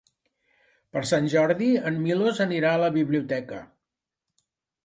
Per Sant Jordi en Milos anirà a la biblioteca.